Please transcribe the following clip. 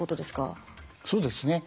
そうですね。